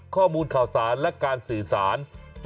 ข้อมูลข่าวสารและการสื่อสาร